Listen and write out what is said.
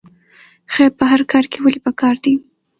خیر په هر کار کې ولې پکار دی؟